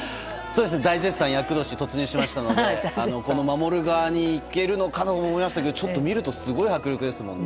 大絶賛、厄年に突入したのでこの守る側にいけるのかと思いましたけどちょっと見るとすごい迫力ですね。